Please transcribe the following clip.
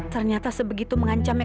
ternyata sebegitu mengancamnya